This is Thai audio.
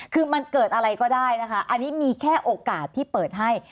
คือมันเกิดอะไรก็ได้นะคะอันนี้มีแค่โอกาสที่เปิดให้